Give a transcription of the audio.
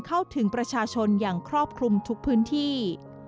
เข้าถึงประชาชนอย่างครอบคลุมทุกพื้นที่